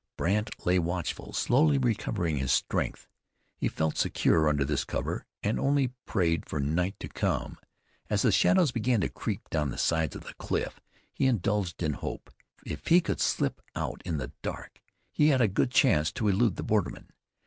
Brandt lay watchful, slowly recovering his strength. He felt secure under this cover, and only prayed for night to come. As the shadows began to creep down the sides of the cliffs, he indulged in hope. If he could slip out in the dark he had a good chance to elude the borderman.